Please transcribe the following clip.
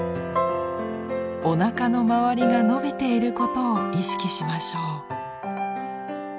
おなかの周りが伸びていることを意識しましょう。